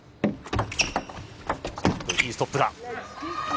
いいストップだ。